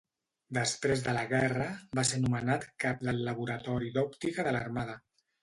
Després de la Guerra, va ser nomenat cap del Laboratori d'Òptica de l'Armada.